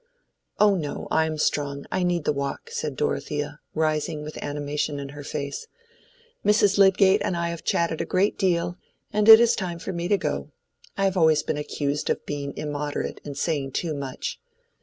"Oh, no! I am strong: I need the walk," said Dorothea, rising with animation in her face. "Mrs. Lydgate and I have chatted a great deal, and it is time for me to go. I have always been accused of being immoderate and saying too much."